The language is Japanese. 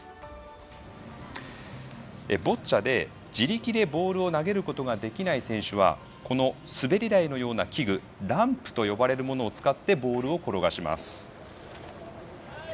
ボッチャで、自力でボールを投げることができない選手はこの滑り台のような器具ランプと呼ばれる器具を使ってボールを転がします。